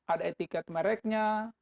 ada etiket mereknya